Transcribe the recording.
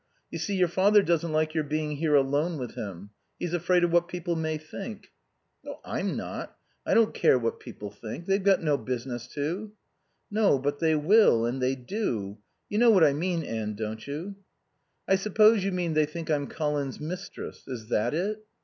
You see, your father doesn't like your being here alone with him. He's afraid of what people may think." "I'm not. I don't care what people think. They've no business to." "No; but they will, and they do...You know what I mean, Anne, don't you?" "I suppose you mean they think I'm Colin's mistress. Is that it?"